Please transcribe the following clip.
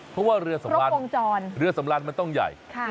เพราะว่าเรือสำราญเรือสำราญมันต้องใหญ่